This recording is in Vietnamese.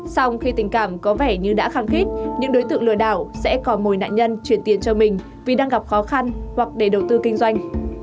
xong khi tình cảm có vẻ như đã khăng khít những đối tượng lừa đảo sẽ cò mồi nạn nhân chuyển tiền cho mình vì đang gặp khó khăn hoặc để đầu tư kinh doanh